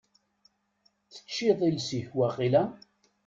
Teĉĉiḍ iles-ik waqila?